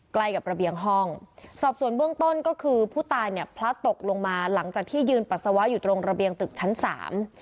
ใกล้กับระเบียงห้องสอบส่วนเบื้องต้นก็คือผู้ตายเนี่ยพลัดตกลงมาหลังจากที่ยืนปัสสาวะอยู่ตรงระเบียงตึกชั้นสาม